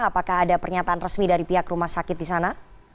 apakah ada pernyataan resmi dari pihak rumah sakit di sana